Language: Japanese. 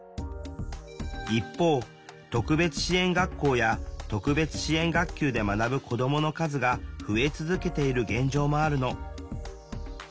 一方特別支援学校や特別支援学級で学ぶ子どもの数が増え続けている現状もあるの。